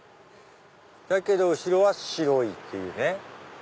だけど後ろは白いっていうね。